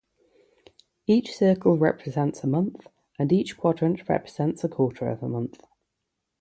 Each circle represents a month, and each quadrant represents a quarter of a month.